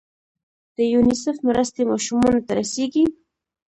د یونیسف مرستې ماشومانو ته رسیږي؟